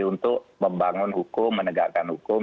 untuk membangun hukum menegakkan hukum